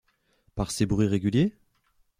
Par ses bruits réguliers?